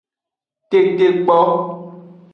Tetekpo.